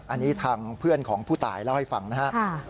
อันนี้ทางเพื่อนของผู้ตายเล่าให้ฟังนะครับ